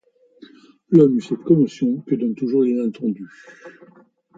L'homme eut cette commotion que donne toujours l'inattendu.